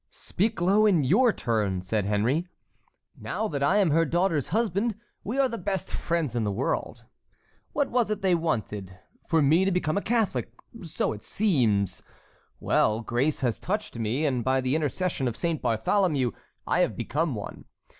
"Speak low in your turn," said Henry; "now that I am her daughter's husband we are the best friends in the world. What was it they wanted? For me to become a Catholic, so it seems. Well, grace has touched me, and by the intercession of Saint Bartholomew I have become one.